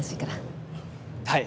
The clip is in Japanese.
はい！